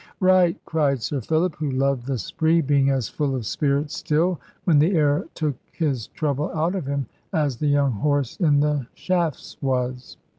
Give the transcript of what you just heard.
"Right!" cried Sir Philip, who loved the spree, being as full of spirits still, when the air took his trouble out of him, as the young horse in the shafts was.